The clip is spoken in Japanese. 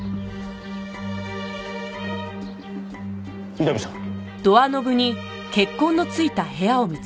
伊丹さん。